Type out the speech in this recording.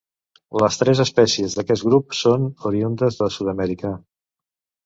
Les tres espècies d'aquest grup són oriündes de Sud-amèrica.